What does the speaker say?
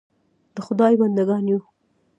د خدای بنده ګان یو .